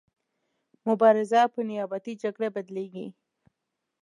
مبارزه په نیابتي جګړه بدلیږي.